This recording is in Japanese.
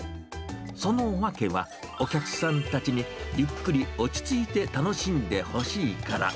その訳は、お客さんたちにゆっくり落ち着いて楽しんでほしいから。